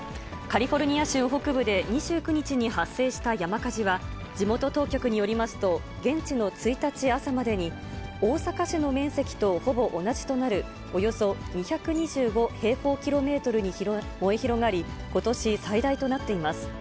カリフォルニア州北部で２９日に発生した山火事は、地元当局によりますと、現地の１日朝までに、大阪市の面積とほぼ同じとなるおよそ２２５平方キロメートルに燃え広がり、ことし最大となっています。